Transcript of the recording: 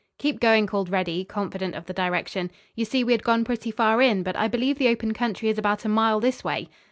"Keep going," called Reddy, confident of the direction. "You see, we had gone pretty far in, but I believe the open country is about a mile this way."